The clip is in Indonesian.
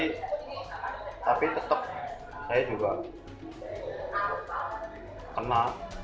tapi tetap saya juga kena